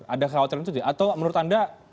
ada kekhawatiran itu tidak atau menurut anda